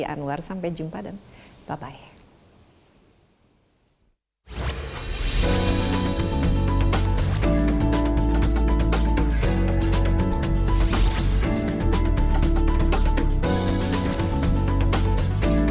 anwar sampai jumpa dan bye bye